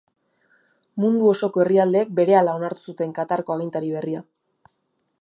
Mundu osoko herrialdeek berehala onartu zuten Qatarko agintari berria.